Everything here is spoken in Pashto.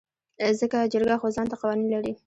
ځکه جرګه خو ځانته قوانين لري .